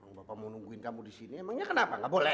orang bapak mau nungguin kamu di sini emangnya kenapa nggak boleh